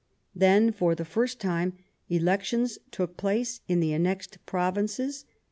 Then, for the first time, elections took place in the annexed Provinces.